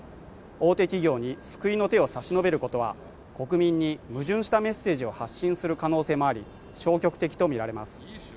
大手企業に救いの手を差し伸べることは国民に矛盾したメッセージを発信する可能性もあり消極的と見られます